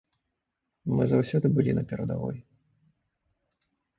Мы заўсёды былі на перадавой.